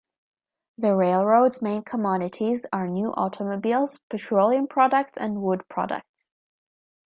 The railroad's main commodities are new automobiles, petroleum products and wood products.